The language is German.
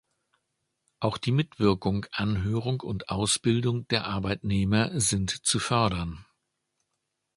Auch die Mitwirkung, Anhörung und Ausbildung der Arbeitnehmer sind zu fördern.